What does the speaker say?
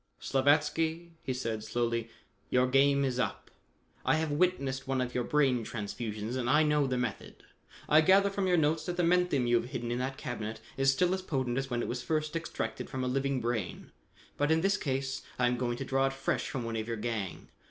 "Slavatsky," he said slowly, "your game is up. I have witnessed one of your brain transfusions and I know the method. I gather from your notes that the menthium you have hidden in that cabinet is still as potent as when it was first extracted from a living brain, but in this case I am going to draw it fresh from one of your gang.